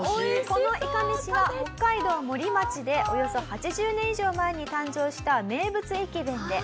このいかめしは北海道森町でおよそ８０年以上前に誕生した名物駅弁で。